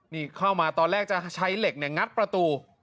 นี่เข้ามาตอนแรกจะใช้เหล็กเนี่ยงัดประตู